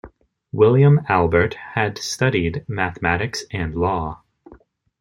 William Albert had studied mathematics and law.